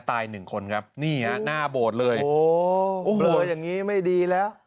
ตายหนึ่งคนครับนี่อ่ะน่าโบดเลยโอ้โหโอ้โหอย่างงี้ไม่ดีแล้ว